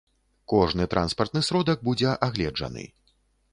Кожны транспартны сродак будзе агледжаны.